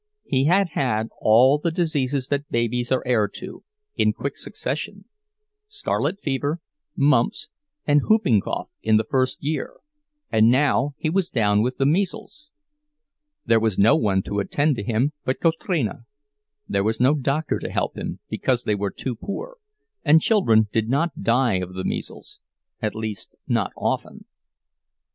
He had had all the diseases that babies are heir to, in quick succession, scarlet fever, mumps, and whooping cough in the first year, and now he was down with the measles. There was no one to attend him but Kotrina; there was no doctor to help him, because they were too poor, and children did not die of the measles—at least not often.